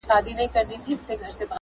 بېرته دې همدلته راولم